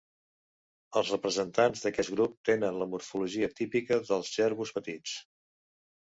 Els representants d'aquest grup tenen la morfologia típica dels jerbus petits.